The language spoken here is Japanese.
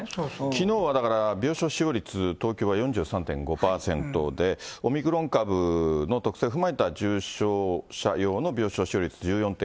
きのうはだから、病床使用率、東京は４３．５％で、オミクロン株の特性踏まえた重症者用の病床使用率１４．５％。